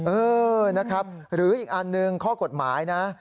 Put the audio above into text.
เออนะครับหรืออีกอันหนึ่งข้อกฎหมายนะ